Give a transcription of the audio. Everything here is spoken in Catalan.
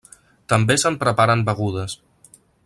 També se'n preparen begudes.